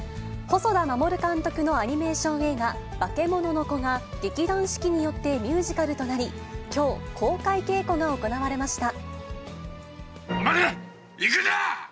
細田守監督のアニメーション映画、バケモノの子が、劇団四季によってミュージカルとなり、きょう、公開稽古が行われました。